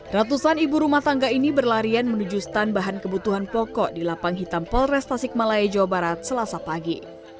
ratusan ibu rumah tangga ini berlarian menuju stand bahan kebutuhan pokok di lapang hitam polres tasik malaya jawa barat selasa pagi